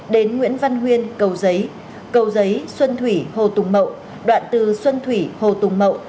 đến nguyễn văn huyên cầu giấy cầu giấy xuân thủy hồ tùng mậu đoạn từ xuân thủy hồ tùng mậu